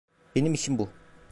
Benim işim bu.